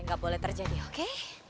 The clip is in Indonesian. ini gak boleh terjadi oke